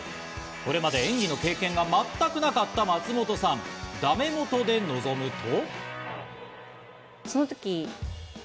これまで演技の経験が全くなかった松本さん、ダメ元で臨むと。